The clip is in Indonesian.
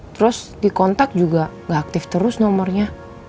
terus di kontak juga gak aktif terus nomornya